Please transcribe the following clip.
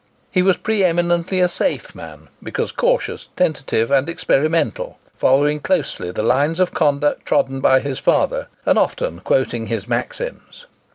He was pre eminently a safe man, because cautious, tentative, and experimental; following closely the lines of conduct trodden by his father, and often quoting his maxims.